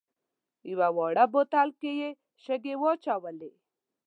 یوه واړه بوتل کې یې شګې واچولې.